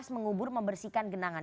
mengubur membersihkan genangan